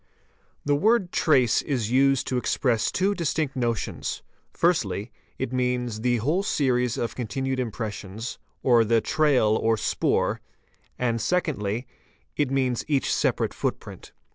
The word "trace" is used to express two distinct notions, firs means the whole series of continued impressions or the "tra '"snoor'"', and secondly, it means each separate footprint.